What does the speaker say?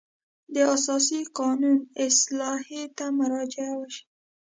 د اساسي قانون اصلاحیې ته مراجعه وشي.